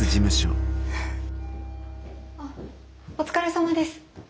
あっお疲れさまです。